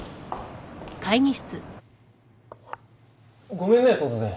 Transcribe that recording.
ごめんね突然。